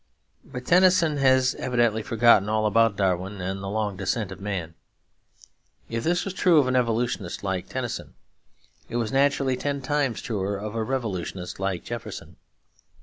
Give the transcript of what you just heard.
But Tennyson has evidently forgotten all about Darwin and the long descent of man. If this was true of an evolutionist like Tennyson, it was naturally ten times truer of a revolutionist like Jefferson.